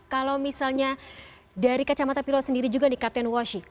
kalau misalnya dari kacamata pilot sendiri juga nih kapten washi